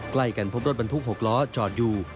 ใกล้กันพบรถบรรทุก๖ล้อจอดอยู่